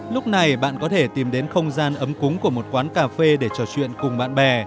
lúc này bạn có thể tìm đến không gian ấm cúng của một quán cà phê để trò chuyện cùng bạn bè